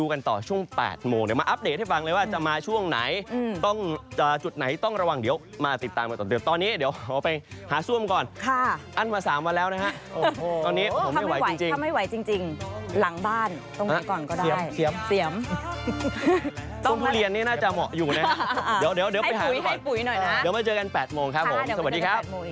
กว่าทุกทุกทุกทุกทุกทุก